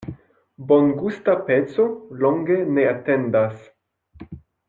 Bongusta peco longe ne atendas.